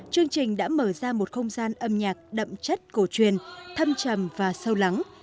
chương trình đã mở ra một không gian âm nhạc đậm chất cổ truyền thâm trầm và sâu lắng